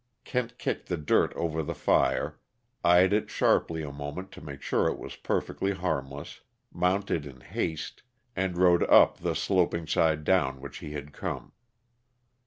Kent kicked the dirt over the fire, eyed it sharply a moment to make sure it was perfectly harmless, mounted in haste, and rode up the sloping side down, which he had come.